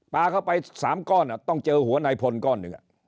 ปลาเข้าไป๓ก้อนต้องเจอหัวนายพลก้อนหนึ่ง